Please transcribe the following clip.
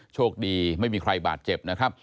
โชคดีไม่มีใครบาดเจ็บนะครับ